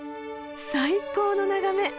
最高の眺め。